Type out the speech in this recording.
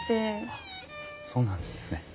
あそうなんですね。